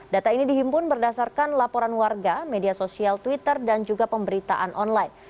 data ini dihimpun berdasarkan laporan warga media sosial twitter dan juga pemberitaan online